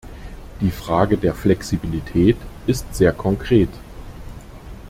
Diese Frage der Flexibilität ist sehr konkret.